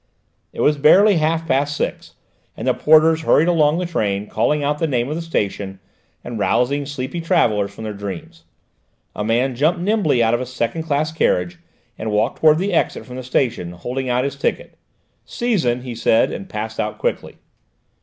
It was barely half past six, and the porters hurried along the train, calling out the name of the station, and rousing sleepy travellers from their dreams. A man jumped nimbly out of a second class carriage and walked towards the exit from the station, holding out his ticket. "Season," he said, and passed out rapidly.